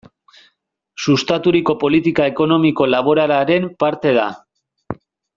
Sustaturiko politika ekonomiko-laboralaren parte da.